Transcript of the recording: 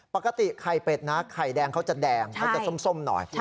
ปกติไข่เป็ดนะไข่แดงเขาจะแดงเขาจะส้มหน่อย